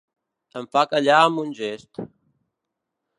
Em fa callar amb un gest.